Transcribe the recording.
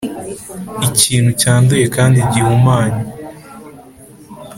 ikintu cyanduye kandi gihumanye